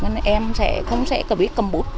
nên em sẽ không biết cầm bụt